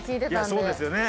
そうですよね。